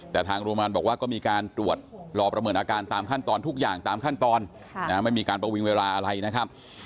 แต่ทางโรงพยาบาลบอกว่าก็มีการตรวจรอประเมินอาการตามขั้นตอนทุกอย่างตามขั้นตอนไม่มีการประวิงเวลาอะไรนะครับ